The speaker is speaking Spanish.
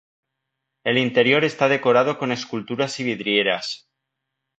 El interior está decorado con esculturas y vidrieras.